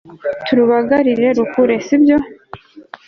turubagarire rukure sibyo